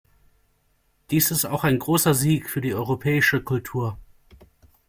Dies ist auch ein großer Sieg für die europäische Kultur.